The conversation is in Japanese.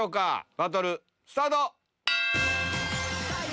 バトルスタート！